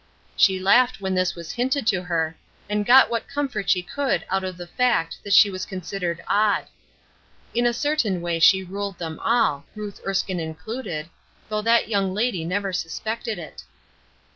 She laughed when this was hinted to her, and got what comfort she could out of the fact that she was considered "odd." In a certain way she ruled them all, Ruth Erskine included, though that young lady never suspected it.